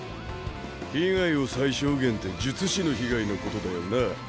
「被害を最小限」って術師の被害のことだよな？